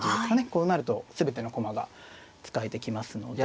こうなると全ての駒が使えてきますので。